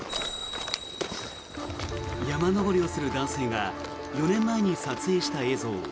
山登りをする男性が４年前に撮影した映像。